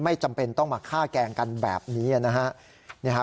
ไม่จำเป็นต้องมาฆ่าแกงกันแบบนี้นะฮะเนี้ยฮะ